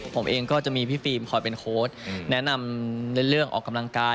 ผมเองก็จะมีพี่ฟิล์มคอยเป็นโค้ดแนะนำในเรื่องออกกำลังกาย